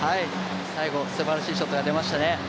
最後、すばらしいショットが出ましたね。